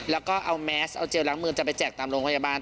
แล้วก็เอาแมสเอาเจลล้างมือจะไปแจกตามโรงพยาบาล